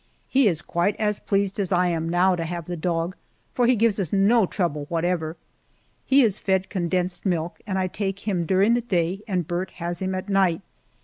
He is quite as pleased as I am, now, to have the dog, for he gives no trouble whatever. He is fed condensed milk, and I take care of him during the day and Burt has him at night.